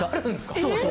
そうそう。